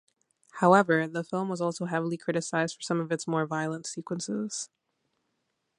However, the film was also heavily criticized for some of its more violent sequences.